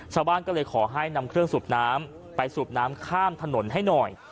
ชาวบ้านก็เลยขอให้นำเครื่องสูบน้ำไปสูบน้ำข้ามถนนให้หน่อย